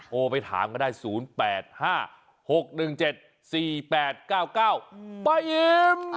โทรไปถามก็ได้ศูนย์แปดห้าหกหนึ่งเจ็ดสี่แปดเก้าเก้าป้าอิ่ม